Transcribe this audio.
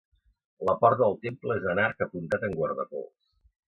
La porta del temple és en arc apuntat amb guardapols.